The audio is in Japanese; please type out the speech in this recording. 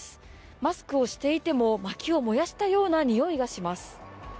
マスクをしていても、まきを燃やしたような臭いがします。